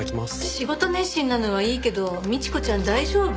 仕事熱心なのはいいけど倫子ちゃん大丈夫？